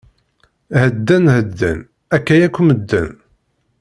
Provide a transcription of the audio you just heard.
Hedden, hedden, akka yakk medden!